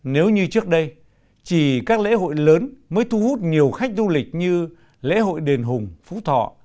nếu như trước đây chỉ các lễ hội lớn mới thu hút nhiều khách du lịch như lễ hội đền hùng phú thọ